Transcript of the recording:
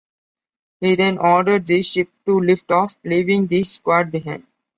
He then orders the ship to lift off, leaving the squad behind.